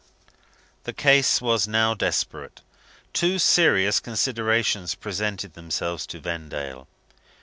The case was now desperate. Two serious considerations presented themselves to Vendale.